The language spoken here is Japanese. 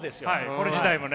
これ自体もね。